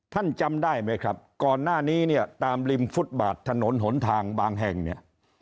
จำได้ไหมครับก่อนหน้านี้เนี่ยตามริมฟุตบาทถนนหนทางบางแห่งเนี่ย